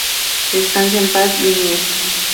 Descansa en paz Vinnie.